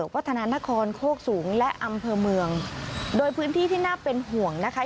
วัฒนานครโคกสูงและอำเภอเมืองโดยพื้นที่ที่น่าเป็นห่วงนะคะ